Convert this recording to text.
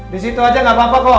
di situ aja nggak apa apa kok